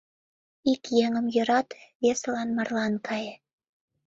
— Ик еҥым йӧрате, весылан марлан кае...